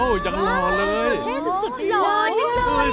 โอ้ยังหล่อเลยเห็นสุดอยู่หล่อจริง